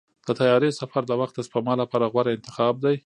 د طیارې سفر د وخت د سپما لپاره غوره انتخاب دی.